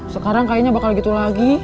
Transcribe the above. sekarang kayaknya bakal gitu lagi